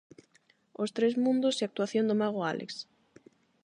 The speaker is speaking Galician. Os tres mundos e actuación do mago Álex.